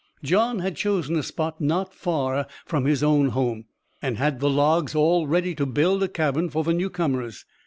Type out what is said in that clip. John had chosen a spot not far from his own home, and had the logs all ready to build a cabin for the newcomers.